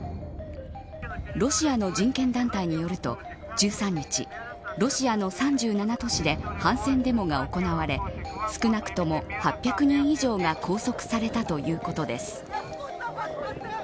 ロシアの人権団体によると１３日、ロシアの３７都市で反戦デモが行われ少なくとも８００人以上が拘束されたということです。